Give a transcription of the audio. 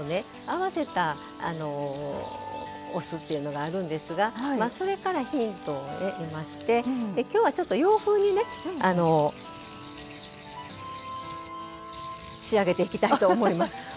合わせたお酢っていうのがあるんですがそれからヒントを得まして今日はちょっと洋風にねあの仕上げていきたいと思います。